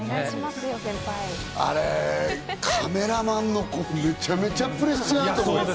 あれカメラマンの子、めちゃくちゃプレッシャーだと思う。